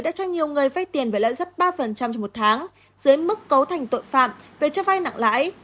đã cho nhiều người vay tiền với lãi suất ba trong một tháng dưới mức cấu thành tội phạm về cho vay nặng lãi